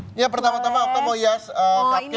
ini yang pertama tama oka mau hias parkir